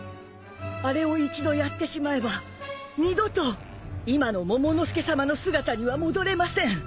あれを一度やってしまえば二度と今のモモの助さまの姿には戻れません。